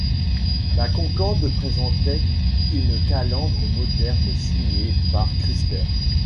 La Concorde présentait une calandre moderne signée par Chrysler.